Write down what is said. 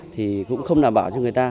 thì cũng không đảm bảo cho người ta